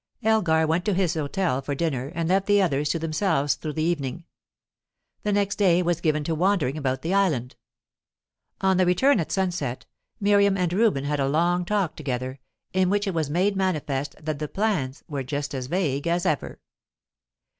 Elgar went to his hotel for dinner, and left the others to themselves through the evening. The next day was given to wandering about the island. On the return at sunset, Miriam and Reuben had a long talk together, in which it was made manifest that the "plans" were just as vague as ever.